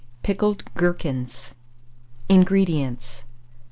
PICKLED GHERKINS. 428. INGREDIENTS.